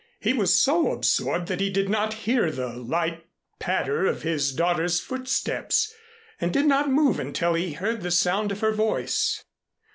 He was so absorbed that he did not hear the light patter of his daughter's footsteps, and did not move until he heard the sound of her voice.